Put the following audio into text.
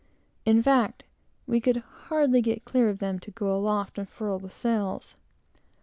In fact, we could hardly get clear of them, to go aloft and furl the sails.